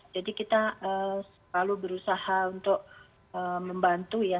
jadi kita selalu berusaha untuk membantu ya